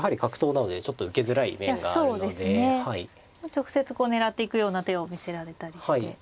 直接こう狙っていくような手を見せられたりして。